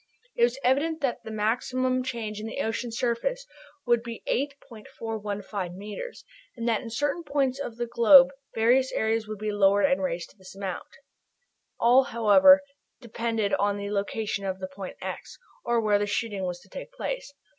It was evident that the maximum change in the ocean surface would be 8.415 metres, and that in certain points of the globe various areas would be lowered and raised to this amount. All, however, depended upon the location of the point "x," or where the shooting was to take place.